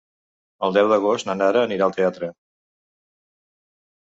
El deu d'agost na Nara anirà al teatre.